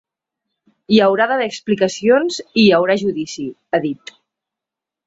“Hi haurà d’haver explicacions i hi haurà judici”, ha dit.